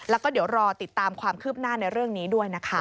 แล้วก็เดี๋ยวรอติดตามความคืบหน้าในเรื่องนี้ด้วยนะคะ